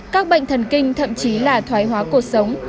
các bệnh thần kinh thậm chí là thoái hóa cuộc sống